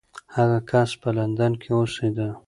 هغه کس په لندن کې اوسېده.